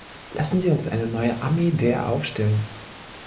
Lassen Sie uns eine neue Armee der aufstellen.